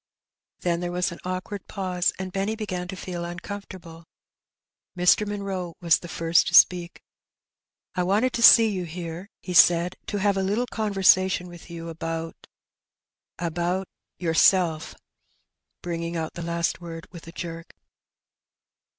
Then there was an awkward pause, and Benny began to feel uncomfortable. Mr. Munroe was the first to speak. ''I wanted to see you here," he said, "to have a little conversation with you about — about — yourself," bringing out the last word with a jerk.